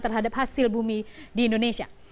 terhadap hasil bumi di indonesia